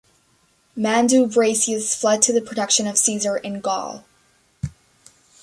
Mandubracius fled to the protection of Caesar in Gaul.